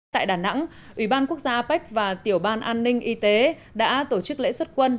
tại đà nẵng ủy ban quốc gia apec và tiểu ban an ninh y tế đã tổ chức lễ xuất quân